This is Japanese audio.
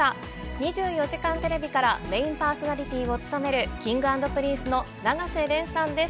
２４時間テレビから、メインパーソナリティーを務めるＫｉｎｇ＆Ｐｒｉｎｃｅの永瀬廉さんです。